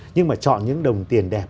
nhưng mà chọn những đồng tiền đẹp